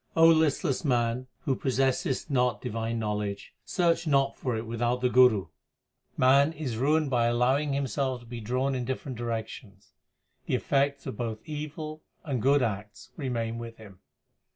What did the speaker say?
listless man who possessest not divine knowledge, search not for it without the Guru. Man is ruined by allowing himself to be drawn in different directions ; the effects of both evil and good acts remain with him.